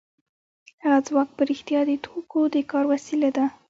هو ځواک په رښتیا د توکو د کار وسیله ده